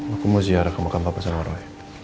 aku mau ziarah ke makam papa sama roy